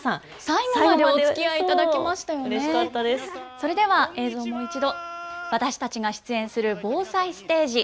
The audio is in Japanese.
それでは映像をもう一度、私たちが出演する防災ステージ